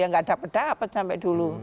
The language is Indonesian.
yang gak dapet dapet sampai dulu